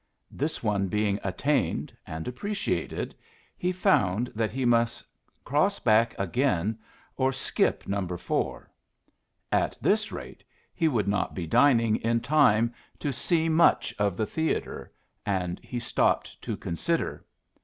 This one being attained and appreciated, he found that he must cross back again or skip number four. At this rate he would not be dining in time to see much of the theatre, and he stopped to consider.